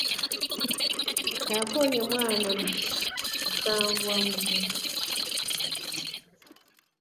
Kyakonye mwaana ma musanvu mumaka muno.